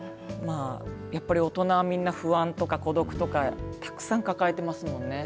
やっぱり大人はみんな不安とか孤独とかたくさん抱えてますもんね。